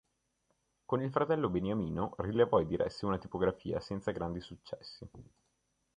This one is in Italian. Con il fratello "Beniamino" rilevò e diresse una tipografia senza grandi successi.